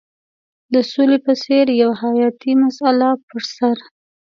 د سولې په څېر یوه حیاتي مسله پر سر.